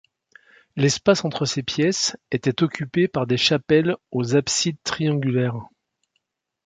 L'espace entre ces pièces était occupé par des chapelles aux absides triangulaires.